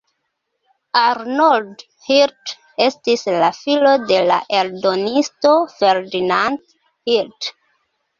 Arnold Hirt estis la filo de la eldonisto Ferdinand Hirt.